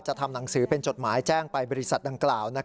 ทำหนังสือเป็นจดหมายแจ้งไปบริษัทดังกล่าว